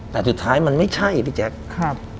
แต่สุดท้ายมันไม่ใช่พี่แจ๊คครับ